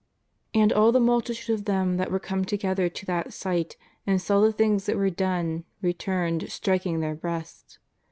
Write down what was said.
And all the multitude of them that were come together to that sight and saw the things that were done returned striking their breasts.